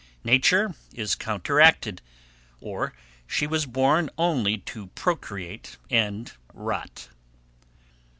Nature is counteracted, or she was born only to procreate and rot.